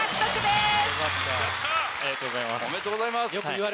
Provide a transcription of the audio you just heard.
ありがとうございます。